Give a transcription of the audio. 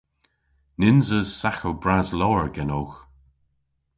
Nyns eus saghow bras lowr genowgh.